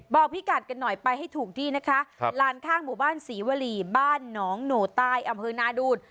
พี่กัดกันหน่อยไปให้ถูกที่นะคะลานข้างหมู่บ้านศรีวรีบ้านหนองหนูใต้อำเภอนาดูน